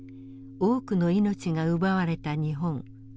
多くの命が奪われた日本。